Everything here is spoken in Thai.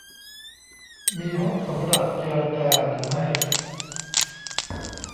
มีห้องสำหรับเจรจาหรือไม่